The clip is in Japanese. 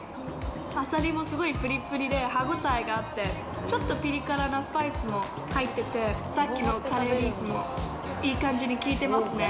あさりもすごいプリップリで、歯応えがあって、ちょっとピリ辛なスパイスも入ってて、さっきのカレーリーフもいい感じにきいてますね。